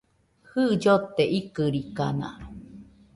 Jɨ, llote ikɨrikana